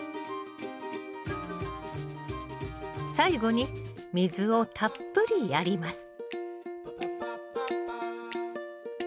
最後に水をたっぷりやります